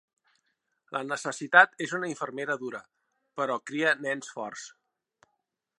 La necessitat és una infermera dura, però cria nens forts.